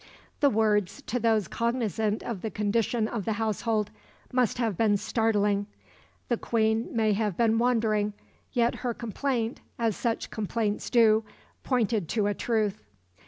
The words, to those cognisant of the condition of the household, must have been startling. The Queen may have been wandering, yet her complaint, as such complaints do, pointed to a truth.